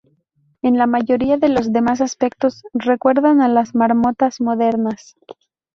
En la mayoría de los demás aspectos recuerdan a las marmotas modernas.